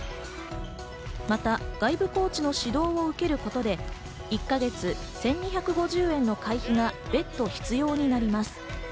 また外部コーチの指導を受けることで、１か月１２５０円の会費が別途必要になります。